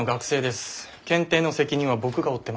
検定の責任は僕が負ってます。